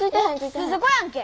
鈴子やんけ！